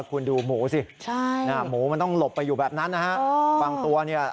คุณดูหมูสิหมูมันต้องหลบไปอยู่แบบนั้นนะฮะบางตัวเนี่ย